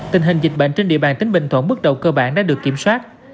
tình hình dịch bệnh trên địa bàn tỉnh bình thuận bước đầu cơ bản đã được kiểm soát